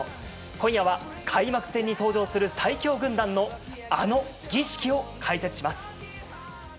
今夜は開幕戦に登場する最強軍団のあの儀式を解説します。